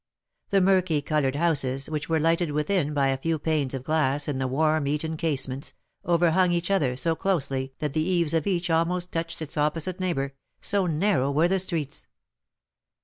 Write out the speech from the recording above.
The murky coloured houses, which were lighted within by a few panes of glass in the worm eaten casements, overhung each other so closely that the eaves of each almost touched its opposite neighbour, so narrow were the streets.